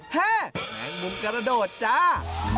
แห่แมงมุมกระโดดจ้า